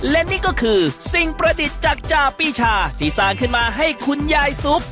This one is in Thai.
และนี่ก็คือสิ่งประดิษฐ์จากจ่าปีชาที่สร้างขึ้นมาให้คุณยายซุป